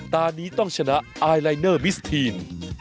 ตอนนี้ต้องชนะไอลายเนอร์มิสทีน